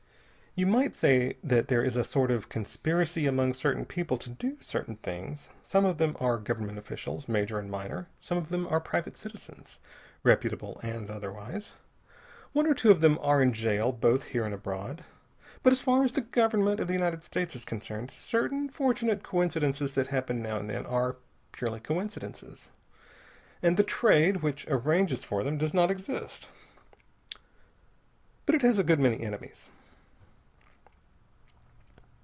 You might say that there is a sort of conspiracy among certain people to do certain things. Some of them are government officials, major and minor. Some of them are private citizens, reputable and otherwise. One or two of them are in jail, both here and abroad. But as far as the Government of the United States is concerned, certain fortunate coincidences that happen now and then are purely coincidences. And the Trade, which arranges for them, does not exist. But it has a good many enemies.